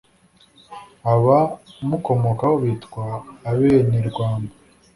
aba mukomokaho bitwa abenerwamba.